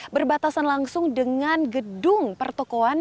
berbatasan langsung dengan gedung pertokoan